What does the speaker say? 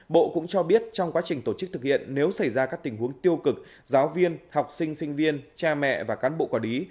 bộ cũng cho biết trong quá trình tổ chức thực hiện nếu xảy ra các tình huống tiêu cực giáo viên học sinh sinh viên cha mẹ và cán bộ quản lý